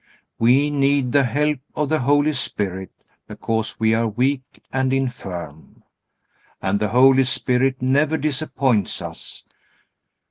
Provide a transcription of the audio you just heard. We need the help of the Holy Spirit because we are weak and infirm. And the Holy Spirit never disappoints us.